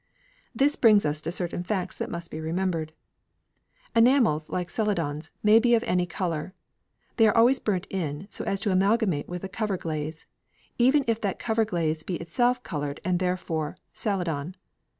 This brings us to certain facts that must be remembered. Enamels, like Celadons, may be of any colour. They are always burnt in so as to amalgamate with the cover glaze, even if that cover glaze be itself coloured and therefore Celadon.